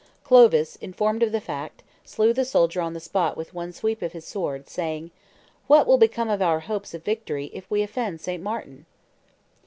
Clovis, informed of the fact, slew the soldier on the spot with one sweep of his sword, saying, 'What will become of our hopes of victory if we offend St. Martin?